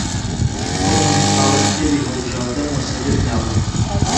ئەو هەموو ساڵە کتێبی هەڵبژاردەم وە سەر یەک نابوو